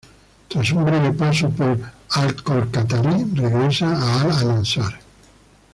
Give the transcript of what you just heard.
Tras un breve paso por el Al-Khor Qatarí regresa al Al-Ansar.